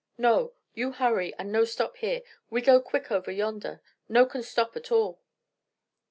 "No! You hurry and no stop here. We go quick over yonder. No can stop at all."